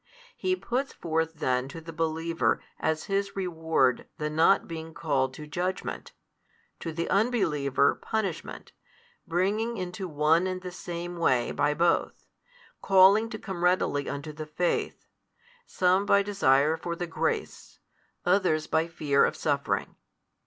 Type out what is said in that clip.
He puts forth then to the believer as his reward the not being called to judgement, to the unbeliever punishment, bringing into one and the same way by both, calling to come readily unto the faith, some by desire for the grace, others by fear of suffering.